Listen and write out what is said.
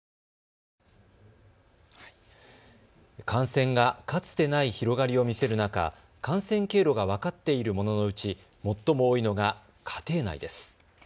感染が、かつてない広がりを見せる中、感染経路が分かっているもののうち最も多いのが家庭内です。